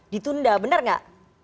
ditunda benar gak